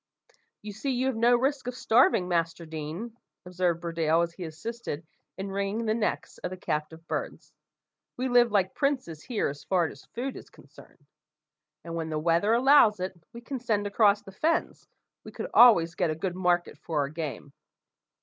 "You see you have no risk of starving, Master Deane," observed Burdale, as he assisted in ringing the necks of the captive birds. "We live like princes here, as far as food is concerned; and when the weather allows it, and we can send across the fens, we could always get a good market for our game."